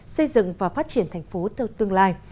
xây dựng và phát triển thành phố tương lai